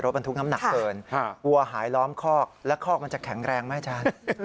บรรทุกน้ำหนักเกินวัวหายล้อมคอกแล้วคอกมันจะแข็งแรงไหมอาจารย์